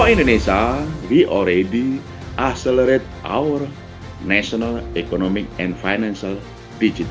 untuk indonesia kita sudah mempercepat sistem digital nasional ekonomi dan finansial kita